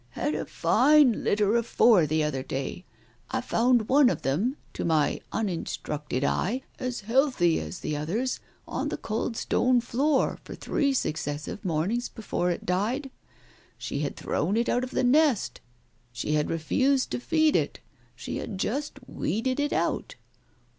—" Had a fine litter of four the other day. I found one of them, to my uninstructed eye, as healthy as the others, on the cold stone floor for three successive mornings before it died. She had thrown it out of the nest, she had refused to feed it, she had just weeded it out.